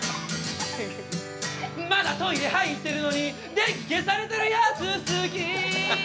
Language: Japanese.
まだトイレ入ってるのに電気消されてるやつ好き